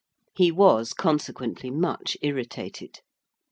He was, consequently, much irritated.